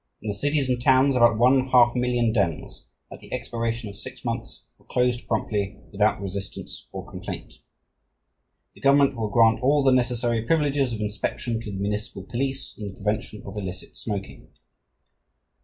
In the cities and towns about one half million dens, at the expiration of six months, were closed promptly without resistance or complaint. The government will grant all the necessary privileges of inspection to the municipal police in the prevention of illicit smoking.